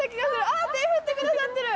あぁ手振ってくださってる。